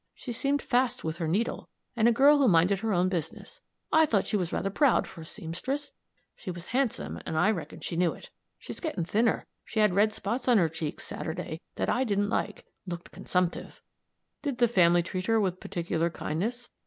She seemed fast with her needle, and a girl who minded her own business. I thought she was rather proud, for a seamstress she was handsome, and I reckon she knew it. She's getting thinner; she had red spots on her cheeks, Saturday, that I didn't like looked consumptive." "Did the family treat her with particular kindness?"